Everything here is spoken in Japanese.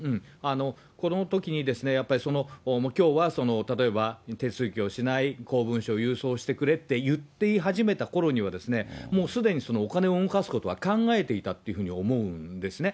このときにやっぱり、もうきょうは、例えば手続きをしない、公文書を郵送してくれと言い始めたころには、もうすでにお金を動かすことは考えていたというふうに思うんですね。